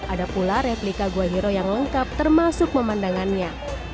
ada pula replika kewahiro yang lengkap termasuk memandangannya